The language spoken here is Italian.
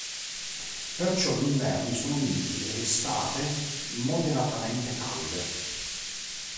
Perciò gli inverni sono miti e le estate moderatamente calde.